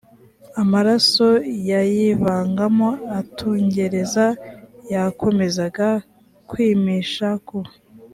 amaraso yayivagamo atungereza yakomezaga kwimisha ku